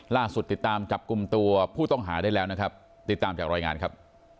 ติดตามจับกลุ่มตัวผู้ต้องหาได้แล้วนะครับติดตามจากรายงานครับ